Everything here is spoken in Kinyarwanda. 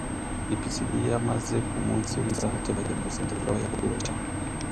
i Pisidiya maze ku munsi w’Isabato bajya mu rusengero rw’Abayahudi baricara.